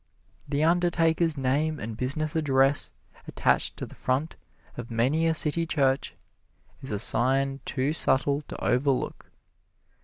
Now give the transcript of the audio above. The undertaker's name and business address attached to the front of many a city church is a sign too subtle to overlook.